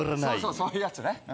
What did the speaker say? そういうやつね